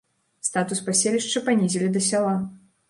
Статус паселішча панізілі да сяла.